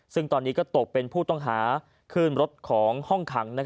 ซึ่งตอนนี้ก็ตกเป็นผู้ต้องหาขึ้นรถของห้องขัง